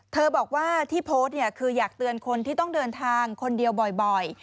บอกว่าที่โพสต์เนี่ยคืออยากเตือนคนที่ต้องเดินทางคนเดียวบ่อย